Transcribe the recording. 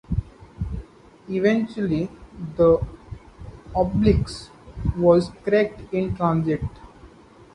Eventually, the obelisk was cracked in transit.